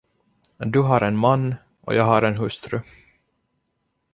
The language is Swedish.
Du har en man, och jag har en hustru.